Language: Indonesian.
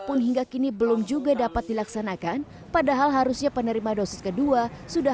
pun hingga kini belum juga dapat dilaksanakan padahal harusnya penerima dosis kedua sudah